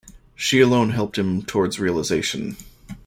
She alone helped him towards realisation.